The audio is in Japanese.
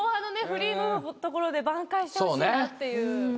フリーのところで挽回してほしいなっていう。